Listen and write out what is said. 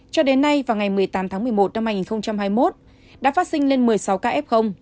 cho đến nay vào ngày một mươi tám tháng một mươi một năm hai nghìn hai mươi một đã phát sinh lên một mươi sáu ca f